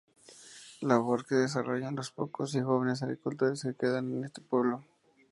Labor que desarrollan los pocos y jóvenes agricultores que quedan en este pueblo.